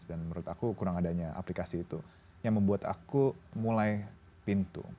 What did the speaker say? dan menurut aku kurang adanya aplikasi itu yang membuat aku mulai pintu